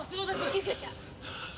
救急車！